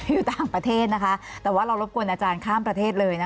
อยู่ต่างประเทศนะคะแต่ว่าเรารบกวนอาจารย์ข้ามประเทศเลยนะคะ